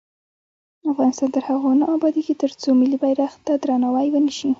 افغانستان تر هغو نه ابادیږي، ترڅو ملي بیرغ ته درناوی ونشي.